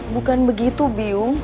bukan begitu byung